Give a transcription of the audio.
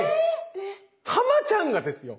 ⁉ハマちゃんがですよ